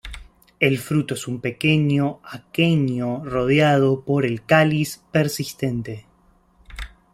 El fruto es un pequeño aquenio rodeado por el cáliz persistente.